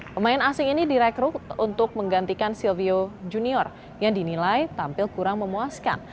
pemain asing ini direkrut untuk menggantikan sylvio junior yang dinilai tampil kurang memuaskan